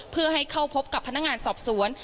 เพื่อให้เข้าพบกับพนักงานสอบสวน